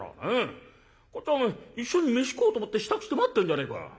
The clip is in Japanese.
こっちはお前一緒に飯食おうと思って支度して待ってんじゃねえか」。